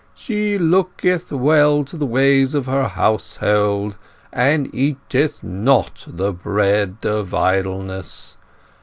She looketh well to the ways of her household, and eateth not the bread of idleness.